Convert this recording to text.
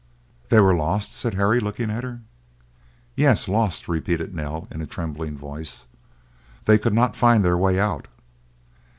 "They were lost?" said Harry, looking at her. "Yes, lost!" repeated Nell in a trembling voice. "They could not find their way out."